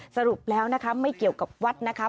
สรุปแล้วนะคะไม่เกี่ยวกับวัดนะคะ